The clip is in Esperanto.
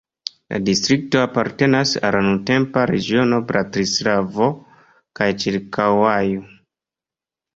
La distrikto apartenas al nuntempa regiono Bratislavo kaj ĉirkaŭaĵo.